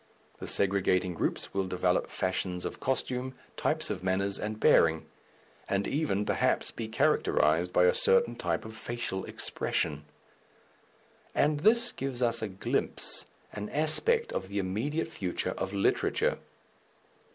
The segregating groups will develop fashions of costume, types of manners and bearing, and even, perhaps, be characterized by a certain type of facial expression. And this gives us a glimpse, an aspect of the immediate future of literature.